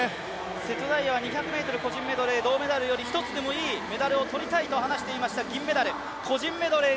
瀬戸大也は２００ｍ個人メドレー、銅メダルより、１つでもいいメダルを取りたいと話していました銀メダル、個人メドレー